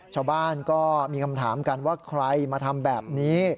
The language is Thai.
ชาวบ้านก็มีคำถามกันว่าใครมาทำแบบนี้